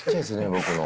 僕の。